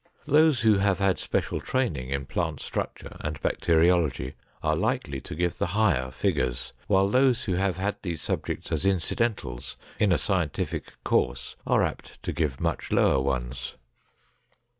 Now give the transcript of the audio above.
Those who have had special training in plant structure and bacteriology are likely to give the higher figures, while those who have had these subjects as incidentals in a scientific course are apt to give much lower ones.